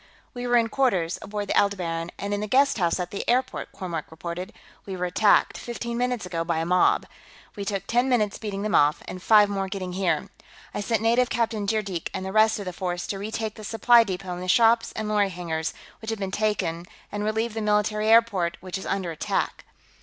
"We were in quarters, aboard the Aldebaran and in the guesthouse at the airport," Kormork reported. "We were attacked, fifteen minutes ago, by a mob. We took ten minutes beating them off, and five more getting here. I sent Native Captain Zeerjeek and the rest of the force to retake the supply depot and the shops and lorry hangars, which had been taken, and relieve the military airport, which is under attack."